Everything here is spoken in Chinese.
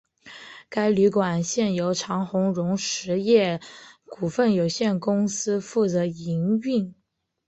该旅馆现由长鸿荣实业股份有限公司负责营运。